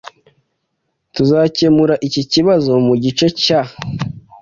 Tuzakemura iki kibazo mugice cya